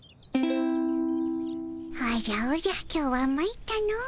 おじゃおじゃ今日はまいったの。